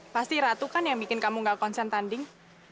pasti ratu kan yang bikin kamu gak konsen tanding